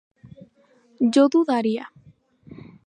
yo dudaría